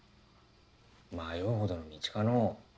迷うほどの道かのう。